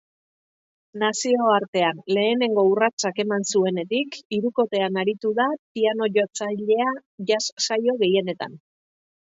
Nazioartean lehenengo urratsak eman zuenetik hirukotean aritu da piano-jotzailea jazz saio gehienetan.